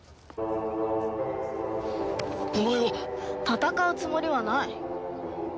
戦うつもりはない。